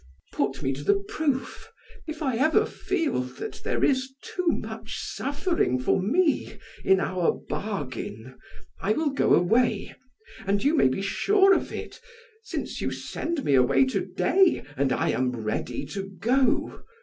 Put me to the proof. If I ever feel that there is too much suffering for me in our bargain, I will go away; and you may be sure of it, since you send me away to day, and I am ready to go.